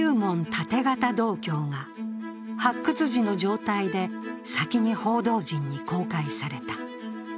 盾形銅鏡が発掘時の状態で先に報道陣に公開された。